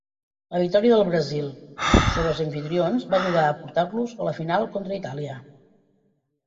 La victòria del Brasil sobre els amfitrions va ajudar a portar-los a la final contra Itàlia.